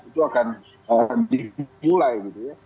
itu akan dimulai gitu ya